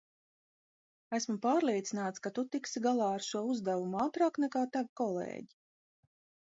Esmu pārliecināts, ka tu tiksi galā ar šo uzdevumu ātrāk, nekā tavi kolēģi.